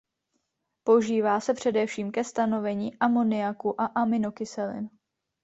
Používá se především ke stanovení amoniaku a aminokyselin.